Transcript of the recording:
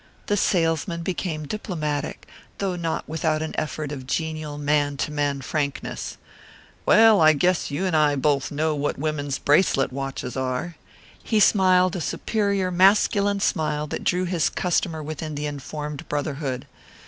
The salesman became diplomatic, though not without an effect of genial man to man frankness. "Well, I guess you and I both know what women's bracelet watches are." He smiled a superior masculine smile that drew his customer within the informed brotherhood.